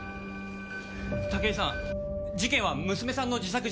武井さん事件は娘さんの自作自演。